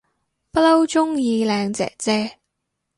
不嬲鍾意靚姐姐